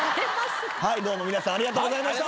どうも皆さんありがとうございました！